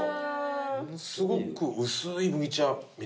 すごく薄い麦茶みたいな。